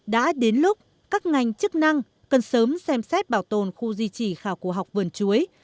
đã đến lúc các ngành chức năng cần sớm xem xét bảo tồn khu di chỉ khảo cổ học vườn chuối